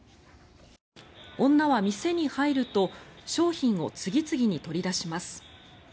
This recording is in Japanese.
女は店に入ると商品を次々に取り出します。